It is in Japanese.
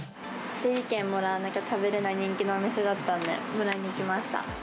整理券もらわなきゃ食べられない人気のお店だったんで、もらいに来ました。